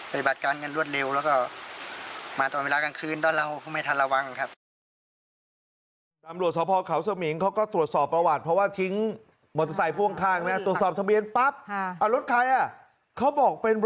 ไปบัตรการกันรวดเร็วแล้วก็มาตอนเวลากลางคืน